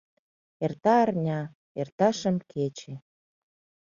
Эрта арня, эрта шым кече.